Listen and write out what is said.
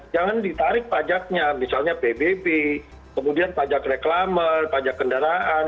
jangan ditarik pajaknya misalnya pbb kemudian pajak reklama pajak kendaraan